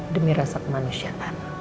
demi rasa kemanusiaan